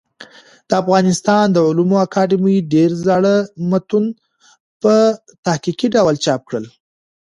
د افغانستان د علومو اکاډمۍ ډېر زاړه متون په تحقيقي ډول چاپ کړل.